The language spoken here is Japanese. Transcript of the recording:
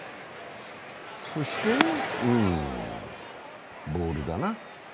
そしてボールだな。